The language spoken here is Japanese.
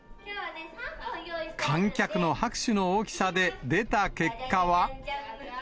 観客の拍手の大きさで出た結果は。